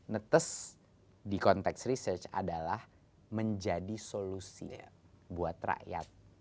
netes di konteks riset adalah menjadi solusinya buat rakyat